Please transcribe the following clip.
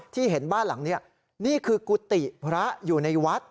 เห็นบ้านหลังนี้นี่คือกุฏิพระอยู่ในวัด